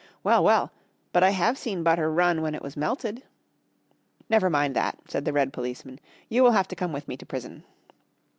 "Well, well. But I have seen butter run when it was melted." "Never mind that," said the red policeman, "you will have to come with me to prison."